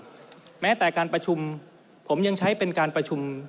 แม้แต่การประชุมผมยังใช้เป็นการประชุม